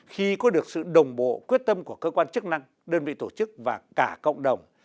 khi có được sự đồng bộ quyết tâm của cơ quan chức năng đơn vị tổ chức và cả cộng đồng